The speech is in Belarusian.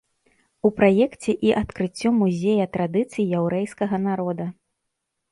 У праекце і адкрыццё музея традыцый яўрэйскага народа.